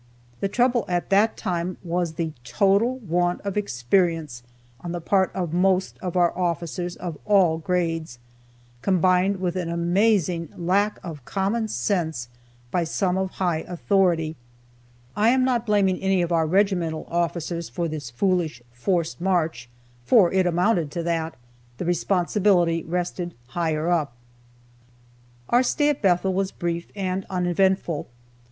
The trouble at that time was the total want of experience on the part of the most of our officers of all grades, combined with an amazing lack of common sense by some of high authority. I am not blaming any of our regimental officers for this foolish "forced march," for it amounted to that, the responsibility rested higher up. Our stay at Bethel was brief and uneventful.